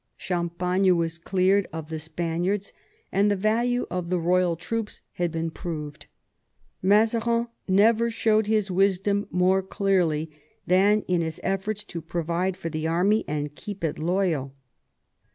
Champagne was cleared of the Spaniards, and the value of the royal troops had been proved. Mazarin never showed his wisdom more clearly than in his efforts to provide for the army and keep it loyal.